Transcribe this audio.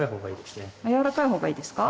柔らかいほうがいいですか。